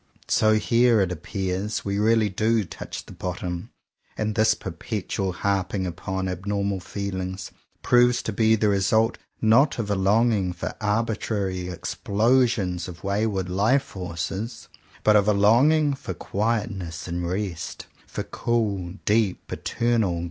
So here, it appears, we really do touch the bottom; and this perpetual harping upon abnormal feelings, proves to be the result not of a longing for arbitrary explosions of wayward life forces, but of a longing for quietness and rest, — for cool, deep, eternal.